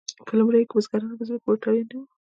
په لومړیو کې بزګران په ځمکو پورې تړلي نه وو.